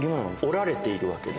織られているわけです。